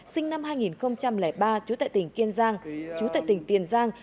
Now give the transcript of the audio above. sinh năm hai nghìn ba trú tại tỉnh tiền giang